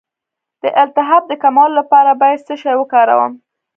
د التهاب د کمولو لپاره باید څه شی وکاروم؟